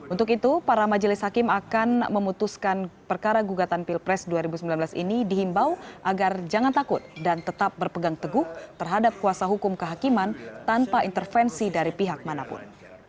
untuk itu para majelis hakim akan memutuskan perkara gugatan pilpres dua ribu sembilan belas ini dihimbau agar jangan takut dan tetap berpegang teguh terhadap kuasa hukum kehakiman tanpa intervensi dari pihak manapun